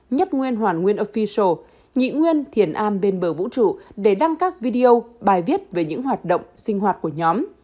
nhất nguyên hoàn nguyên offisial nhị nguyên thiền a bên bờ vũ trụ để đăng các video bài viết về những hoạt động sinh hoạt của nhóm